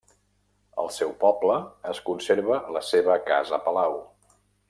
Al seu poble es conserva la seva casa-palau.